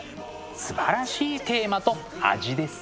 すばらしいテーマと味です。